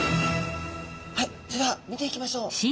はいそれでは見ていきましょう。